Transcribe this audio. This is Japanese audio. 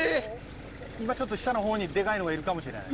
今ちょっと下の方にでかいのがいるかもしれない。